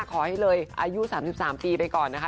ขอให้เลยอายุ๓๓ปีไปก่อนนะคะ